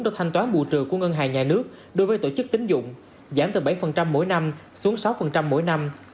được thanh toán bù trừ của ngân hàng nhà nước đối với tổ chức tính dụng giảm từ bảy mỗi năm xuống sáu mỗi năm